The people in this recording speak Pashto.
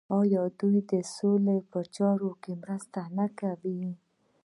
آیا دوی د سولې په چارو کې مرسته نه کوي؟